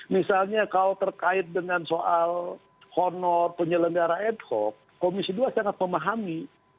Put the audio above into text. misalnya kalau terkait dengan soal honor penyelenggara ad hoc komisi dua sangat memahami